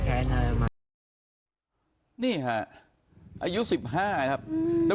คือเรามอดและกำหนดงานจากเครื่องไหน